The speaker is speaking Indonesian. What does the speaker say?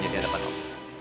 jadi hadapan allah